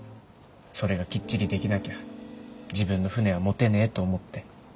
それがきっちりできなきゃ自分の船は持てねえと思って。